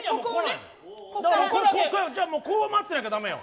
じゃあこう待ってなきゃ駄目よ。